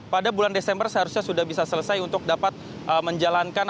pada bulan desember seharusnya sudah bisa selesai untuk dapat menjalankan